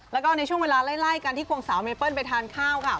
แล้วก็ในช่วงเวลาไล่กันที่ควงสาวเมเปิ้ลไปทานข้าวค่ะ